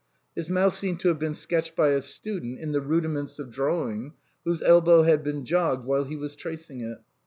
His mouth seemed to have been sketched by a student in the rudiments of drawing, whose elbow had been jogged while he was tracing it.